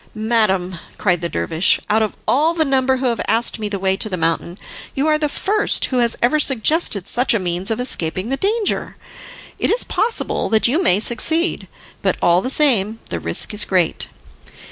"Madam," cried the dervish, "out of all the number who have asked me the way to the mountain, you are the first who has ever suggested such a means of escaping the danger! It is possible that you may succeed, but all the same, the risk is great."